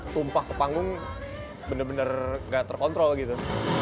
tumpah ke panggung bener bener gak terkontrol gitu